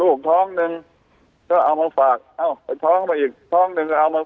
ลูกท้องหนึ่งก็เอามาฝากเอ้าไอ้ท้องไปอีกท้องนึงเอามา